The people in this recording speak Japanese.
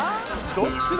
どっちだ？」